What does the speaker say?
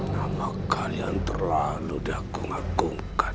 nama kalian terlalu di aku ngakumkan